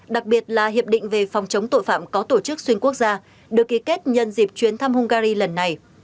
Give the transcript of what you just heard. đặc biệt là hiệp định về phòng chống tội phạm có tổ chức xuyên quốc gia được ký kết nhân dịp chuyến thăm hungary lần này